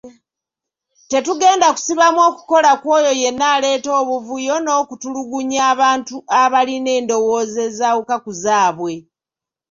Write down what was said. Tetugenda kusibamu okukola kwoyo yenna aleeta obuvuyo n'okutulugunya abantu abalina endowooza ezawuka ku zaabwe.